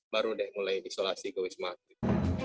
baru deh mulai isolasi ke wisma atlet